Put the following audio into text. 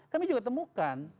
kami juga temukan